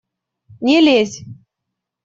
Не лезь!